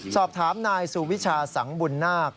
สอบถามนายสุวิชาสังบุญนาค